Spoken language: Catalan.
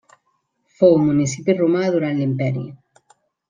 Fou municipi romà durant l'imperi.